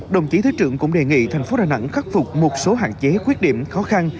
đồng chí thứ trưởng cũng đề nghị thành phố đà nẵng khắc phục một số hạn chế khuyết điểm khó khăn